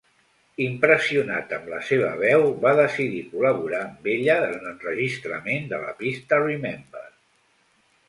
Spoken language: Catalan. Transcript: Impressionat amb la seva veu, va decidir col·laborar amb ella en l'enregistrament de la pista Remember.